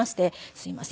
「すいません。